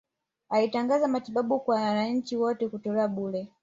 Alitangaza matibabu kwa wananchi wote kutolewa bure